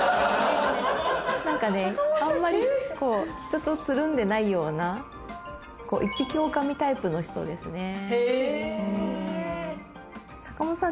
あんまり人とつるんでないような一匹狼タイプの人ですねへえ坂本さん